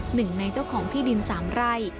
หนึ่งในเจ้าของที่ดิน๓ไร่